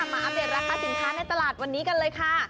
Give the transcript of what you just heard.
อัปเดตราคาสินค้าในตลาดวันนี้กันเลยค่ะ